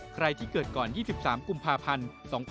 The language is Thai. ใครที่เกิดก่อน๒๓กุมภาพันธ์๒๕๖๒